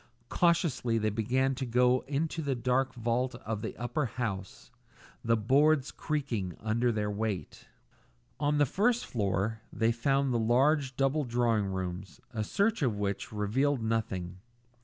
Cautiously they began to go up into the dark vault of the upper house, the boards creaking under their weight. On the first floor they found the large double drawing rooms, a search of which revealed nothing.